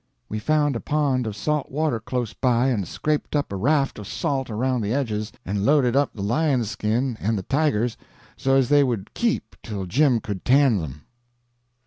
We found a pond of salt water close by and scraped up a raft of salt around the edges, and loaded up the lion's skin and the tiger's so as they would keep till Jim could tan them.